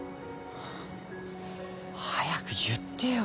はあ早く言ってよ。